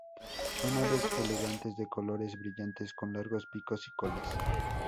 Son aves elegantes de colores brillantes con largos picos y colas.